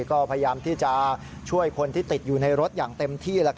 ก็พยายามที่จะช่วยคนที่ติดอยู่ในรถอย่างเต็มที่